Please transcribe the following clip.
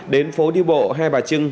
đến phố đi bộ hai bà trưng